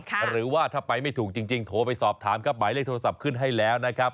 หรือว่าถ้าไปไม่ถูกจริงโทรไปสอบถามครับหมายเลขโทรศัพท์ขึ้นให้แล้วนะครับ